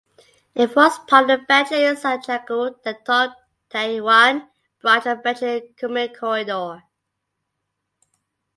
It forms part of the Beijing–Zhangjiakou–Datong–Taiyuan branch of the Beijing–Kunming corridor.